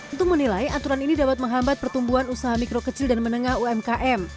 untung menilai aturan ini dapat menghambat pertumbuhan usaha mikro kecil dan menengah umkm